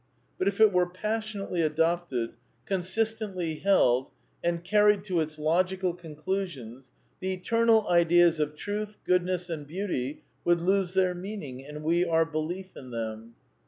But if it were passionately adopted, consistently held, and carried to its logical con clusions, the eternal ideas of Truth, Goodness and Beauty would lose their meaning and we our belief in them.